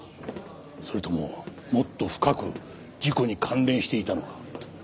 それとももっと深く事故に関連していたのか？